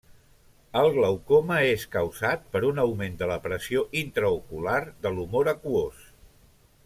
El glaucoma és causat per un augment de la pressió intraocular de l'humor aquós.